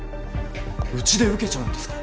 うちで受けちゃうんですか？